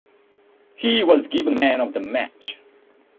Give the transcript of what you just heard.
He was given Man of the Match.